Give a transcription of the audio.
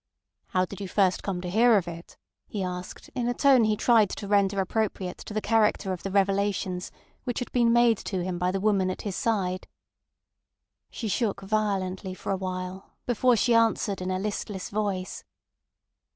"How did you first come to hear of it?" he asked in a tone he tried to render appropriate to the character of the revelations which had been made to him by the woman at his side. She shook violently for a while before she answered in a listless voice.